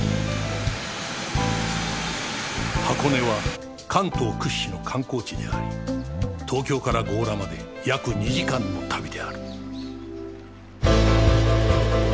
箱根は関東屈指の観光地であり東京から強羅まで約２時間の旅である